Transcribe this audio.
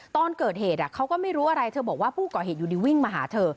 ตอนเกิดเหตุเขาก็ไม่รู้อะไรเธอบอกว่าผู้ก่อเหตุอยู่ดีวิ่งมาหาเธอ